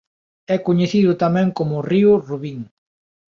É coñecido tamén como río Rubín.